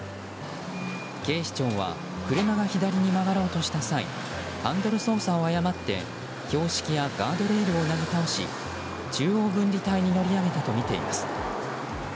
警視庁は車が左に曲がろうとした際ハンドル操作を誤って標識やガードレールをなぎ倒し中央分離帯に乗り上げたとみています。